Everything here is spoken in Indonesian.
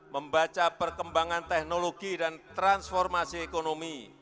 membaca perkembangan teknologi dan transformasi ekonomi